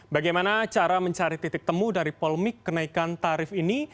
bagaimana cara mencari titik temu dari polemik kenaikan tarif ini